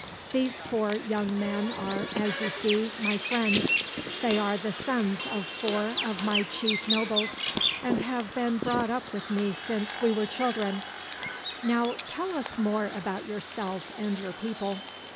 These four young men are, as you see, my friends they are the sons of four of my chief nobles, and have been brought up with me since we were children. Now, tell us more about yourself and your people."